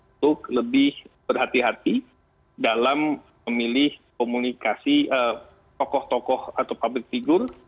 untuk lebih berhati hati dalam memilih komunikasi tokoh tokoh atau public figure